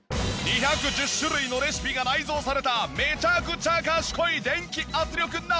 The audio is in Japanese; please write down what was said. ２１０種類のレシピが内蔵されためちゃくちゃ賢い電気圧力鍋！